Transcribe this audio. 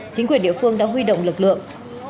chính quyền địa phương đã huy động lực lượng